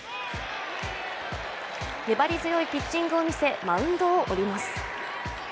粘り強いピッチングを見せ、マウンドを降ります。